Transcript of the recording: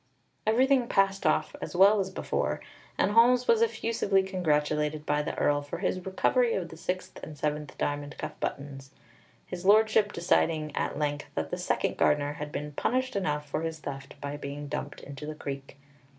Everything passed off as well as before, and Holmes was effusively congratulated by the Earl for his recovery of the sixth and seventh diamond cuff buttons, His Lordship deciding at length that the second gardener had been punished enough for his theft by being dumped into the creek.